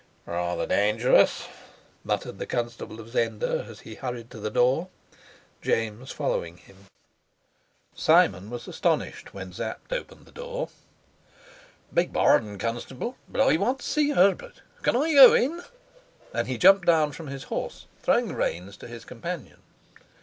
"Rather dangerous!" muttered the Constable of Zenda as he hurried to the door, James following him. Simon was astonished when Sapt opened the door. "Beg pardon, Constable, but I want to see Herbert. Can I go in?" And he jumped down from his horse, throwing the reins to his companion.